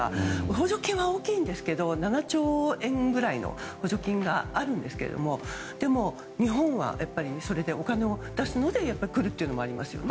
補助金は大きいですが７兆円ぐらいの補助金があるんですけれどでも日本はそれでお金を出すので来るっていうのもありますよね。